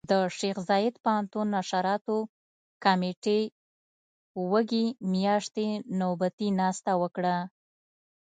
د شيخ زايد پوهنتون نشراتو کمېټې وږي مياشتې نوبتي ناسته وکړه.